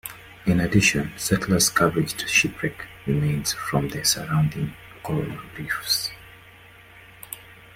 In addition, settlers scavenged shipwreck remains from the surrounding coral reefs.